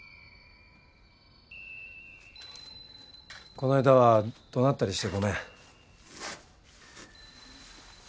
この間は怒鳴ったりしてごめん。